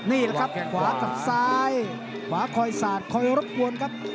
นี่แหละครับขวากับซ้ายขวาคอยสาดคอยรบกวนครับ